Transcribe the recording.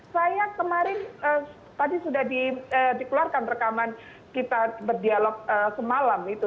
saya kemarin tadi sudah dikeluarkan rekaman kita berdialog semalam itu